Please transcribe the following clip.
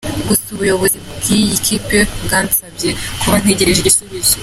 Gusa ubuyobozi bw’iyi kipe bwansabye kuba ntegereje igisubizo.